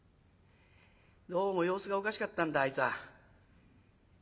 どうも様子がおかしかったんだあいつは。